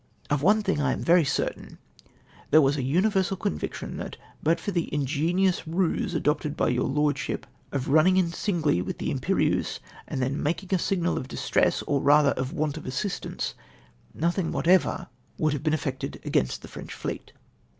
Of one thing I am very certain, that there was a universal conviction, that, but for the ingenious ruse adopted by your lordship of running in singly vjifh the Tm jperieuse, and then making a signal of distress, or rather of tvant of assistance, nothing ivhatever luould have been efected against the French fleet.